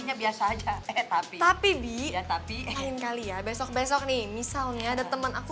tapi tapi tapi tapi tapi tapi tapi tapi ya tapi lain kali ya besok besok nih misalnya ada temen aku